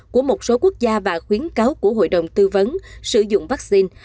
của một số quốc gia và khuyến cáo của hội đồng tư vấn sử dụng vaccine